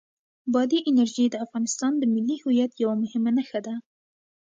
بادي انرژي د افغانستان د ملي هویت یوه مهمه نښه ده.